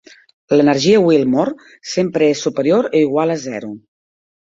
L'energia Willmore sempre és superior o igual a zero.